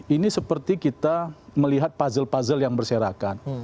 ini seperti kita melihat puzzle puzzle yang berserakan